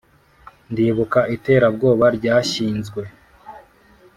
ndibuka iterabwoba ryashyizwe